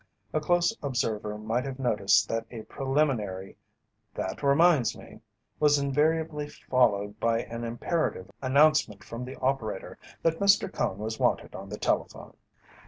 A close observer might have noticed that a preliminary "That reminds me" was invariably followed by an imperative announcement from the operator that Mr. Cone was wanted on the telephone.